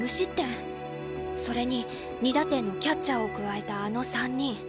それに２打点のキャッチャーを加えたあの３人。